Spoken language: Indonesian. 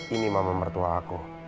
ini mama mertua aku